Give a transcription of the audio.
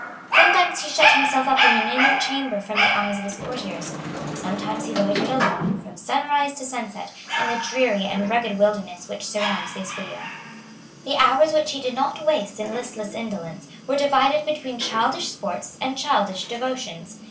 Sometimes he shut himself up in an inner chamber from the eyes of his courtiers. Sometimes he loitered alone, from sunrise to sunset, in the dreary and rugged wilderness which surrounds the Escurial. The hours which he did not waste in listless indolence were divided between childish sports and childish devotions.